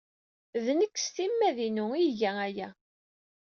D nekk s timmad-inu ay iga aya.